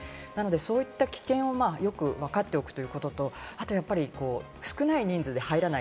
そういった危険をよく分かっておくということと、あとやっぱり少ない人数で入らない。